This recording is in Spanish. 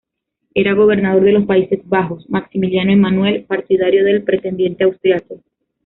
Era gobernador de los Países Bajos, Maximiliano Emanuel, partidario del pretendiente austriaco.